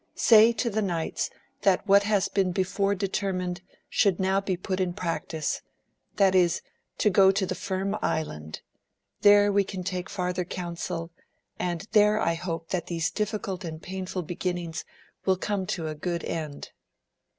Say to the knights that what has been before de termined should now be put in practice, that is, to go to the Firm Island, there we can take farther counsel, and there I hope that these difficult and painful be ginnings will come to a good end.